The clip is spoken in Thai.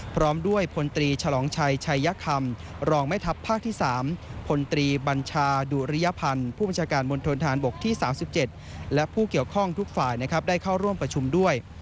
พร้อมด้วยพลตรีฉลองชัยชัยคำรองแม่ทัพภาคที่๓พลตรีบัญชาดุริยพันธ์ผู้บัญชาการมณฑนฐานบกที่๓๗และผู้เกี่ยวข้องทุกฝ่ายนะครับได้เข้าร่วมประชุมด้วย